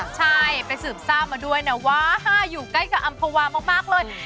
ใช่ไปสืบทราบมาด้วยนะว่าห้าอยู่ใกล้กับอำภาวามากเลย